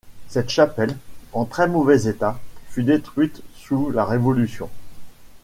Cette chapelle, en très mauvais état, fut détruite sous la Révolution.